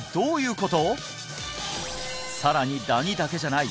さらにダニだけじゃない！